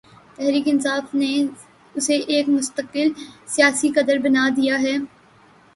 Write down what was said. تحریک انصاف نے اسے ایک مستقل سیاسی قدر بنا دیا ہے۔